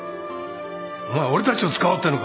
お前俺たちを使おうってのか？